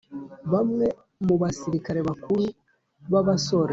bamwe mu basirikari bakuru b'abasore